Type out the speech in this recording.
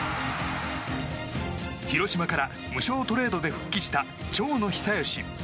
広島から無償トレードで復帰した長野久義。